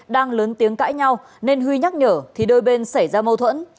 đang lớn tiếng cãi nhau nên huy nhắc nhở thì đôi bên xảy ra mâu thuẫn